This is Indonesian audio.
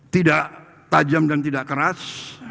tidak tajam dan tidak keras